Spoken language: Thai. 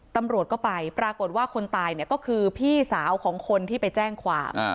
ตำรวจก็ไปปรากฏว่าคนตายเนี่ยก็คือพี่สาวของคนที่ไปแจ้งความ